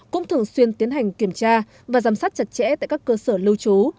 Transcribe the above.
cũng thường xuyên tiến hành kiểm tra và giám sát chặt chẽ tại các cơ sở lưu trú